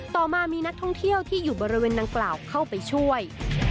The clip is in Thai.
ต่อมามีนักท่องเที่ยวที่อยู่บริเวณดังกล่าวเข้าไปช่วย